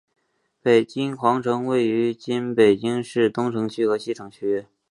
北京皇城位于今北京市东城区和西城区。